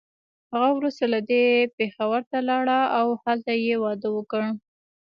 هغه وروسته له دې پېښور ته لاړه او هلته يې واده وکړ.